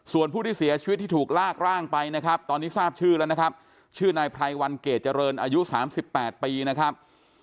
ส่วนผู้ที่เสียชีวิตที่ถูกลากร่างไปนะครับตอนนี้ทราบชื่อแล้วนะครับชื่อนายไพรวันเกรดเจริญอายุ๓๘ปีนะครับ